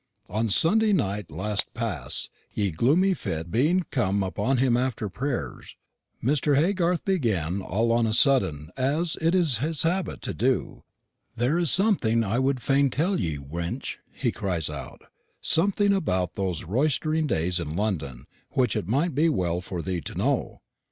"On Sunday night last past, ye gloomy fitt being come upon him after prayers, Mr. Haygarthe began all on a sudden, as it is his habit to do: "'There is something I would fain tell ye, wench,' he cries out, 'something about those roistering days in London, which it might be well for thee to know.'